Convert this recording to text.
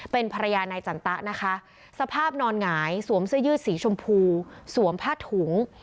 เป็นภรรยานายจันตะนะคะสภาพนอนหงายสวมเสื้อยืดสีชมพูสวมผ้าถุง